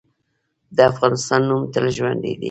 د افغانستان نوم تل ژوندی دی.